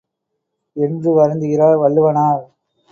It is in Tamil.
என்று வருந்துகிறார் வள்ளுவனார்.